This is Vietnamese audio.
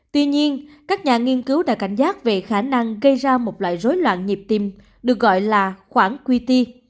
tuy nhiên các nhà nghiên cứu đã cảnh giác về khả năng gây ra một loại rối loạn nhịp tim được gọi là khoảng qt